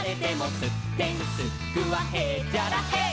「すってんすっくはへっちゃらへい！」